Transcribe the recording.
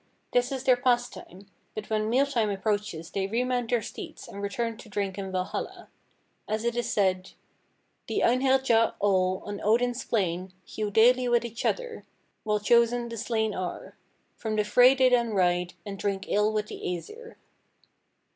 This is their pastime, but when meal time approaches they remount their steeds and return to drink in Valhalla. As it is said: "'The Einherjar all On Odin's plain Hew daily each other, While chosen the slain are. From the fray they then ride, And drink ale with the Æsir.'